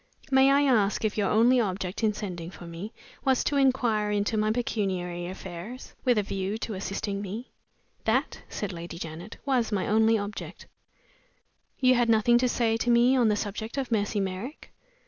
"May I ask if your only object in sending for me was to inquire into my pecuniary affairs, with a view to assisting me?" "That," said Lady Janet, "was my only object." "You had nothing to say to me on the subject of Mercy Merrick?"